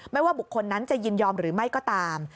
ว่าบุคคลนั้นจะยินยอมหรือไม่ก็ตาม